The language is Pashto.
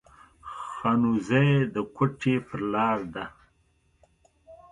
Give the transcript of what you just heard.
خانوزۍ د کوټي پر لار ده